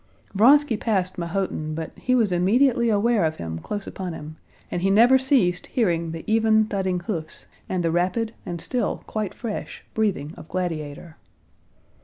Vronsky passed Mahotin, but he was immediately aware of him close upon him, and he never ceased hearing the even thudding hoofs and the rapid and still quite fresh breathing of Gladiator.